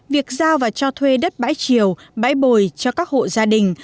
việc giao và cho thuê đất bãi triều bãi bồi cho các hộ gia đình